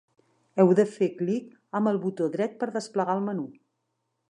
Heu de fer clic amb el botó dret per desplegar el menú.